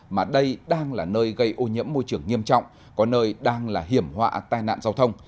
mà đây đang là nơi gây ô nhiễm môi trường nghiêm trọng có nơi đang là hiểm họa tai nạn giao thông